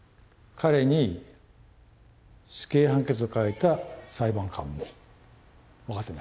彼に死刑判決を書いた裁判官も分かってない。